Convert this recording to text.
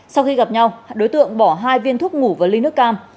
sau khi gặp nhau đối tượng bỏ hai viên thuốc ngủ và ly nước cam